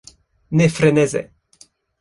Ne freneze!